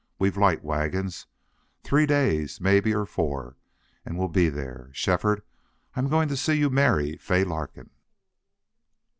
We've light wagons. Three days, maybe or four and we'll be there.... Shefford, I'm going to see you marry Fay Larkin!"